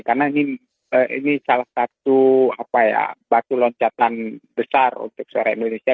karena ini salah satu batu loncatan besar untuk suara indonesia